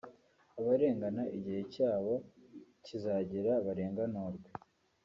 abarengana igihe cyabo cyizagera barenganurwe